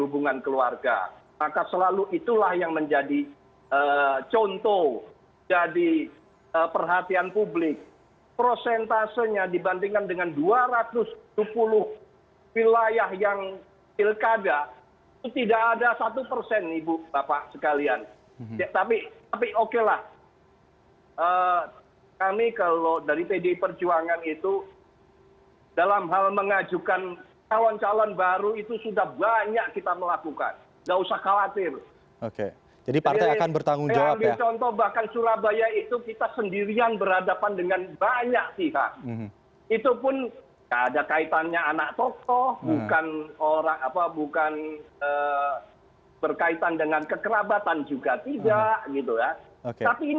pak nusyirwan sudah menyampaikan bahwa ini menjadi tanggung jawabnya partai politik gitu ya